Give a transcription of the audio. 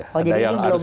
oh jadi ini gelombang